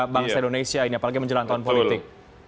bangsa indonesia ini apalagi menjelang tahun politik